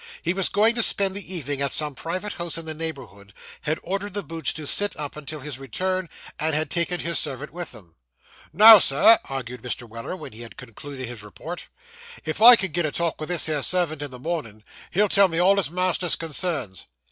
He was going to spend the evening at some private house in the neighbourhood, had ordered the boots to sit up until his return, and had taken his servant with him. 'Now, sir,' argued Mr. Weller, when he had concluded his report, 'if I can get a talk with this here servant in the mornin', he'll tell me all his master's concerns.